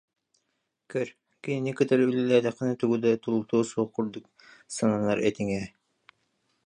Көр, кинини кытары үлэлээтэххэ тугу да тулутуо суох курдук сананар этиҥ ээ